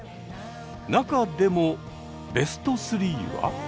中でもベスト３は？